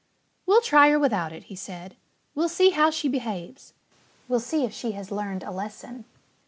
"We'll try her without it," he said. "We'll see how she behaves. We'll see if she has learned a lesson."